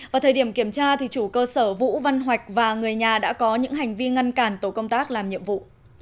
vào thời điểm kiểm tra chủ cơ sở vũ văn hoạch và người nhà đã có những hành vi ngăn cản tổ công tác làm nhiệm vụ